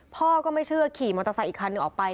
พ่อก็ไม่เชื่อขี่มอเตอร์ไซค์อีกคันหนึ่งออกไป